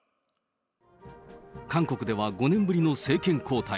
韓国では５年ぶりの政権交代。